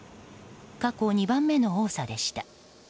過去２番目の多さでした。